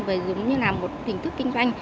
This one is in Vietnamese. với giống như là một hình thức kinh doanh